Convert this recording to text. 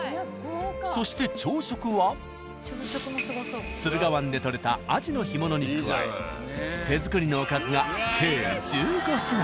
そして朝食は駿河湾でとれたアジの干物に加え手作りのおかずが計１５品。